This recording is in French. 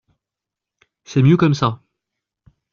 C’est mieux comme ça